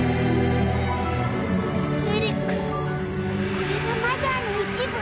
これがマザーの一部？